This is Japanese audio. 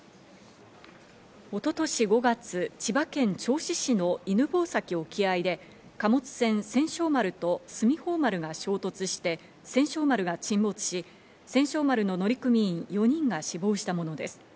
一昨年５月、千葉県銚子市の犬吠埼沖合いで貨物船・千勝丸とすみほう丸が衝突して千勝丸が沈没し、千勝丸の乗組員４人が死亡したものです。